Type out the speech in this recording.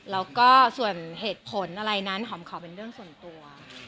แล้วก็ส่วนเหตุผลอะไรนั้นหอมขอเป็นเรื่องส่วนตัว